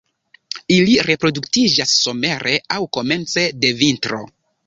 Ili reproduktiĝas somere aŭ komence de vintro.